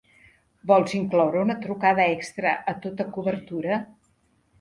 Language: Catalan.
Vols incloure una trucada extra a tota cobertura?